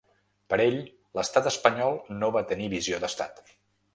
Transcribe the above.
Per ell, l’estat espanyol no va tenir visió d’estat.